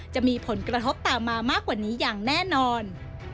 จะมีผลกระทบตามมามากกว่านี้อย่างแน่นอน